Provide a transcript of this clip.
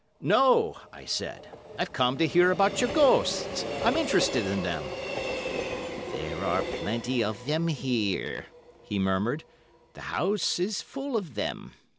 "No," I said. "I've come to hear about your ghosts. I'm interested in them." "There are plenty of them here," he murmured; "the house is full of them.